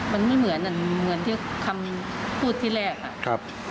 มันไม่เหมือนที่คำพูดที่แรกอะ